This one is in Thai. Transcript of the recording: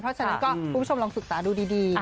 เพราะฉะนั้นก็คุณผู้ชมลองศึกษาดูดี